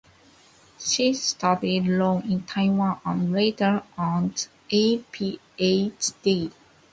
She studied law in Taiwan and later earned a Ph.D.